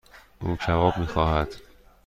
او کباب میخواهد.